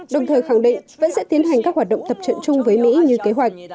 đồng thời khẳng định vẫn sẽ tiến hành các hoạt động tập trận chung với mỹ như kế hoạch